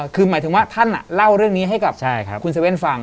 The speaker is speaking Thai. คือหมายถึงว่าท่านเล่าเรื่องนี้ให้กับคุณเว่นฟัง